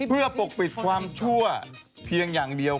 เพื่อปกปิดความชั่วเพียงอย่างเดียว